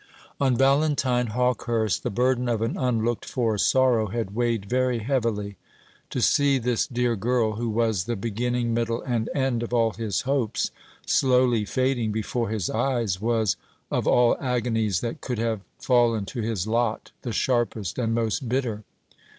On Valentine Hawkehurst the burden of an unlooked for sorrow had weighed very heavily. To see this dear girl, who was the beginning, middle, and end of all his hopes, slowly fading before his eyes, was, of all agonies that could have fallen to his lot, the sharpest and most bitter.